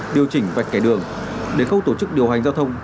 điều chỉnh vạch kẻ đường để khâu tổ chức điều hành giao thông